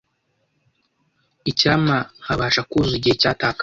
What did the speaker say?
Icyampa nkabasha kuzuza igihe cyatakaye.